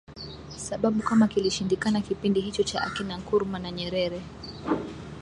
sababu kama kilishindikana kipindi hicho cha akina nkurumah na nyerere